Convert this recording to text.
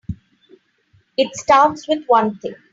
It starts with one thing.